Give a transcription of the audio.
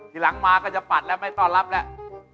ที่หลังมาก็จะปัดและไม่ตอบรับและ